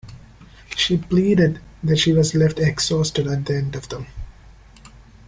She pleaded that she was left exhausted at the end of them.